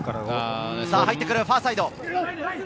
入ってくる、ファーサイド。